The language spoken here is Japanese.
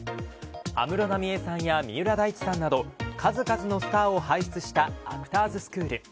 安室奈美恵さんや三浦大知さんなど数々のスターを輩出したアクターズスクール。